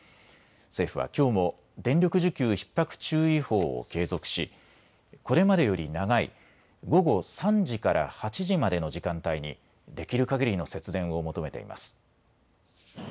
政府はきょうも電力需給ひっ迫注意報を継続しこれまでより長い午後３時から８時までの時間帯にできるかぎりの節電を求めています。